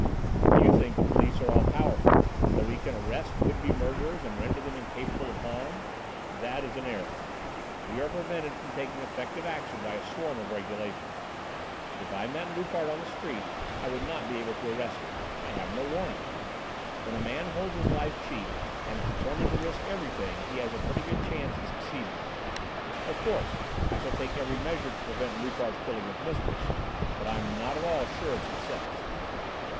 "You think the police are all powerful, that we can arrest would be murderers and render them incapable of harm? That is an error. We are prevented from taking effective action by a swarm of regulations. If I met Loupart on the street I would not be able to arrest him. I have no warrant. When a man holds his life cheap and is determined to risk everything, he has a pretty good chance of succeeding. Of course I shall take every measure to prevent Loupart killing his mistress, but I'm not at all sure of success."